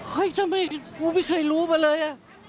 ทำไมกูไม่เคยรู้มาเลย